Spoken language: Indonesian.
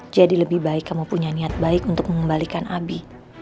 jadi lebih baik kamu punya niat baik untuk mengembalikan abi